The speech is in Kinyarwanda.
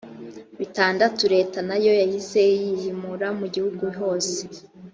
batandatu leta na yo yahise yihimura mu gihugu hose